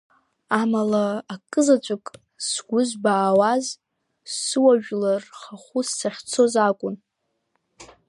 Амала, акы-заҵәык сгәы збаауаз, суаажәлар рхахәс сахьцоз акәын.